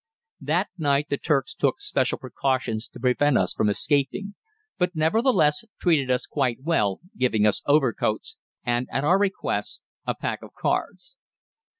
That night the Turks took special precautions to prevent us from escaping, but nevertheless treated us quite well, giving us overcoats and at our request a pack of cards.